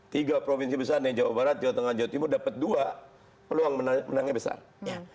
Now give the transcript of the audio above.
tiga provinsi besar yang jawa barat jawa tengah jawa timur dapat dua peluang menangnya besar